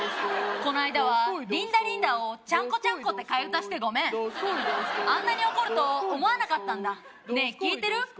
こないだは「リンダリンダ」を「ちゃんこちゃんこ」って替え歌してごめんあんなに怒ると思わなかったんだねえ聞いてる？